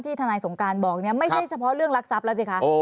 ที่ธสงการบอกไม่ใช่เฉพาะเรื่องรักษับแล้วสิคะ